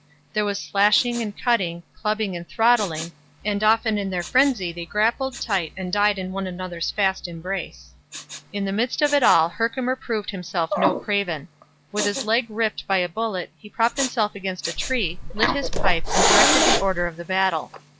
There was slashing and cutting, clubbing and throttling, and often in their frenzy they grappled tight and died in one another's fast embrace. In the midst of it all Herkimer proved himself no craven. With his leg ripped by a bullet he propped himself against a tree, lit his pipe, and directed the order of the battle.